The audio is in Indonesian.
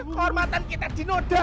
kehormatan kita dinoda